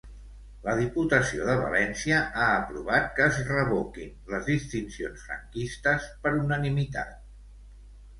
La Diputació de València ha aprovat que es revoquin les distincions franquistes per unanimitat.